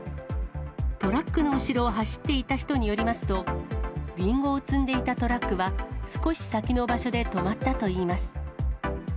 トラックの後ろを走っていた人によりますと、りんごを積んでいたトラックは、少し先の場所で止まったといいます。